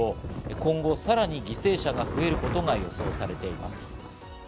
今後さらに犠牲者が増えることが予想されています。